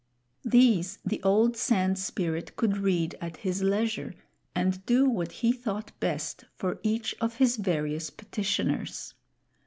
These the old Sand Spirit could read at his leisure and do what he thought best for each of his various petitioners.